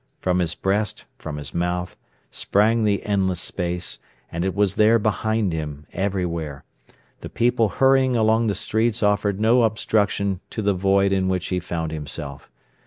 From his breast, from his mouth, sprang the endless space, and it was there behind him, everywhere. The people hurrying along the streets offered no obstruction to the void in which he found himself.